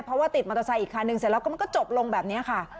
เพราะว่าติดมอเตอร์ไซค์อีกคันนึงเสร็จแล้วก็มันก็จบลงแบบนี้ค่ะ